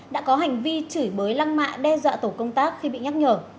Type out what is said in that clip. đã có hành vi chửi bới lăng mạ đe dọa tổ công tác khi bị nhắc nhở